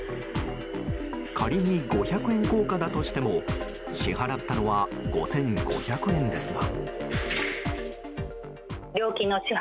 仮に五百円硬貨だとしても支払ったのは５５００円ですが。